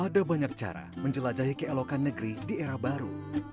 ada banyak cara menjelajahi keelokan negeri di era baru